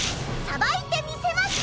さばいてみせます。